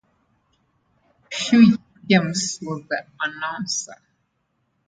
Hugh James was the announcer.